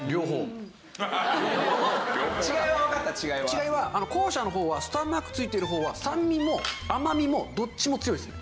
違いは後者の方はスターマークついてる方は酸味も甘みもどっちも強いですね。